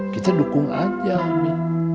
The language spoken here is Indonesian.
kita dukung aja mi